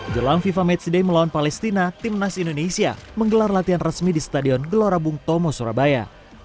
jelang fifa matchday melawan palestina timnas indonesia menggelar latihan resmi di stadion gelora bung tomo surabaya